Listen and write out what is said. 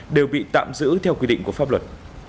đều bị tạm giữ theo quy định của pháp luật